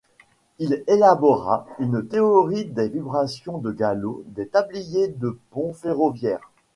Il élabora une théorie des vibrations de galop des tabliers de ponts ferroviaires.